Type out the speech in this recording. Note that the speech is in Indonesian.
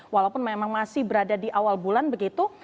walaupun memang masih berada di awal bulan begitu